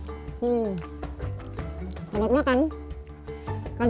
ya fellow bapak dengan kekurangan diri yang sederhana